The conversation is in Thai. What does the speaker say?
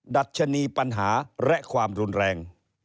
ดัชนีปัญหาและความรุนแรง